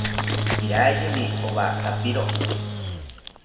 Iraiyini owa kapiro